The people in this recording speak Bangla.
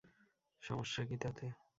সমস্যা কী তাতে?